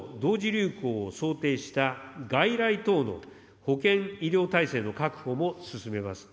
流行を想定した、外来等の保健医療体制の確保も進めます。